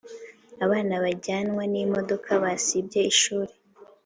Abana bajyanwa nimodoka basibye ishuri